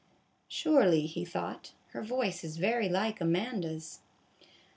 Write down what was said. Surely, he thought, her voice is very like Amanda's.